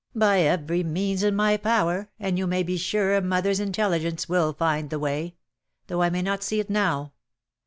"By every means in my power — and you may be sure a mother's intelligence will find the way — though I may not see it now.